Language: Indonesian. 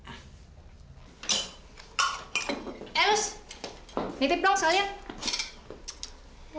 nekat anak muda sekarang eh siapa namanya diki tante diki dike bentar ya iya tante